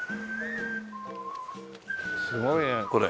すごいねこれ。